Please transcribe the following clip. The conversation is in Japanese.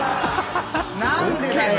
⁉何でだよ